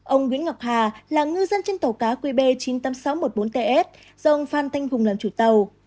ông nguyễn ngọc hà là ngư dân trên tàu cá qb chín mươi tám nghìn sáu trăm một mươi bốn ts do ông phan thanh hùng làm chủ tàu